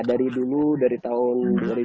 dari dulu dari tahun